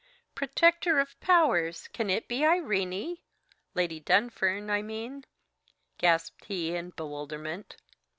"Protector of Powers? can it be Irene? Lady Dunfern, I mean?" gasped he in bewilderment.